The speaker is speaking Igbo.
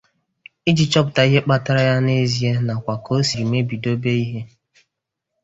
iji chọpụta ihe kpatara ya n'ezie nakwa ka o siri mebidobe ihe.